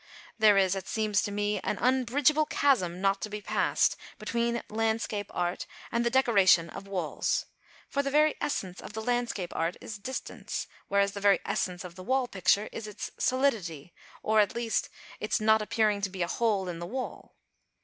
There is, it seems to me, an unbridgeable chasm, not to be passed, between landscape art and the decoration of walls; for the very essence of the landscape art is distance, whereas the very essence of the wall picture is its solidity, or, at least, its not appearing to be a hole in the wall.